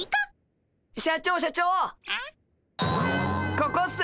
ここっす。